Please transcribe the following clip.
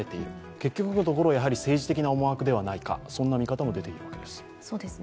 結局のところ政治的な思惑ではないか、そんな見方も出ているんです。